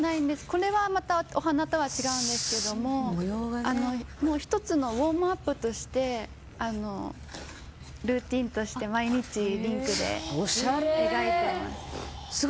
これはお花とは違うんですけども１つのウォームアップとしてルーティンとして毎日、リンクで描いてます。